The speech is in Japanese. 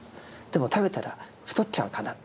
「でも食べたら太っちゃうかな」。